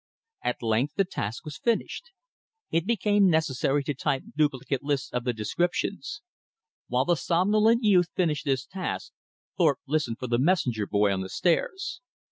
At length the task was finished. It became necessary to type duplicate lists of the descriptions. While the somnolent youth finished this task, Thorpe listened for the messenger boy on the stairs.